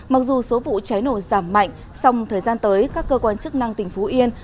mặc dù số vụ cháy nổ giảm mạnh song thời gian tới các cơ quan chức năng tỉnh phú yên